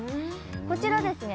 こちらですね